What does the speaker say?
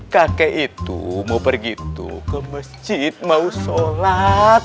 kakek itu mau pergi tuh ke masjid mau sholat